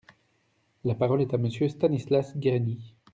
La parole est à Monsieur Stanislas Guerini.